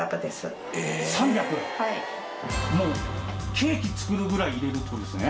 ケーキ作るぐらい入れるって事ですね。